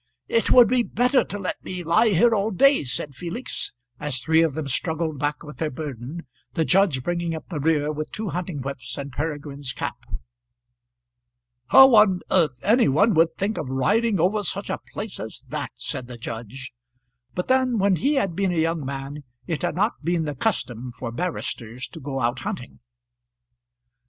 "It would be better to let me lie here all day," said Felix, as three of them struggled back with their burden, the judge bringing up the rear with two hunting whips and Peregrine's cap. "How on earth any one would think of riding over such a place as that!" said the judge. But then, when he had been a young man it had not been the custom for barristers to go out hunting.